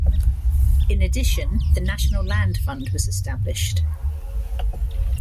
In addition, the National Land Fund was established.